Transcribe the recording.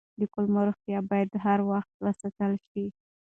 د کولمو روغتیا باید هر وخت وساتل شي.